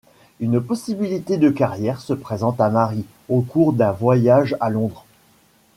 Une possibilité de carrière se présente à Mary au cours d'un voyage à Londres.